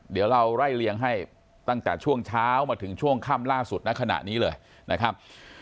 เดี๋ยวเราไล่เลี้ยงให้ตั้งแต่ช่วงเช้ามาถึงช่วงค่ำล่าสุดณขณะนี้เลยนะครับ